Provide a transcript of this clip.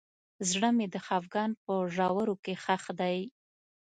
زړه مې د خفګان په ژورو کې ښخ دی.